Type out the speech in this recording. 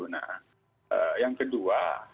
nah yang kedua